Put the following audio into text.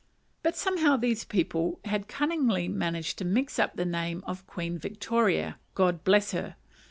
But somehow these people had cunningly managed to mix up the name of Queen Victoria, God bless her!